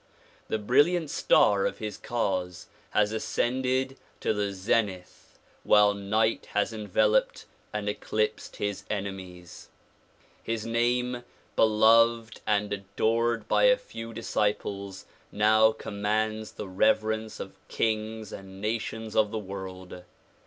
The brilliant star of his cause has ascended to the zenith while night has enveloped and eclipsed his enemies. His name beloved and adored by a few disciples now commands the reverence of kings and nations of the world.